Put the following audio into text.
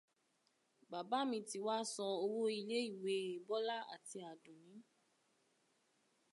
Bàbá mi ti wá san owó ilé-ìwé Bọ́lá àti Àdùnní.